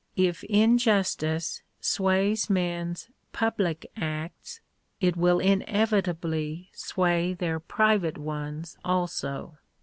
If injustice sways men s publie acts, it will in" evitably sway their private one& also.